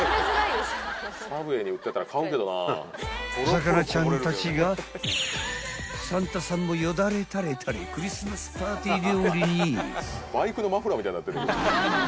［お魚ちゃんたちがサンタさんもよだれ垂れ垂れクリスマスパーティー料理に］